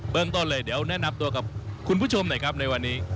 ต้นเลยเดี๋ยวแนะนำตัวกับคุณผู้ชมหน่อยครับในวันนี้